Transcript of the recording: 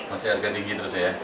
masih harga tinggi terusnya ya